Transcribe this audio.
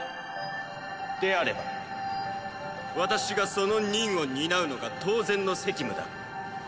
であれば私がその任を担うのが当然の責務だ。